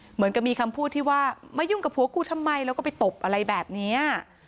เหมือนกับมีคำพูดที่ว่ามายุ่งกับผัวกูทำไมแล้วก็ไปตบอะไรแบบนี้